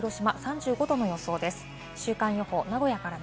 東京、大阪、広島３５度の予想です。